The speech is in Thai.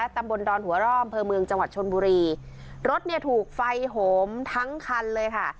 ตำบลดอนหัวร่ออำเภอเมืองจังหวัดชนบุรีรถเนี่ยถูกไฟโหมทั้งคันเลยค่ะ